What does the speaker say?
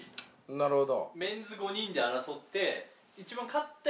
なるほど。